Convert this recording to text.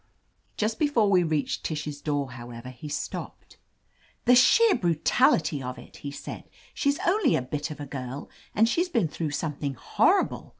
Just before we reached Tish's door, how ever, he stopped. "The sheer brutaHty of it!'* he said. "She's only a bit of a girl, and she's been through something horr3>le.